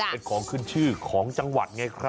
เป็นของขึ้นชื่อของจังหวัด